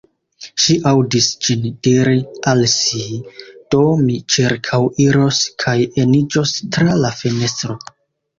Ŝi aŭdis ĝin diri al si: “Do, mi ĉirkaŭiros kaj eniĝos tra la fenestro.”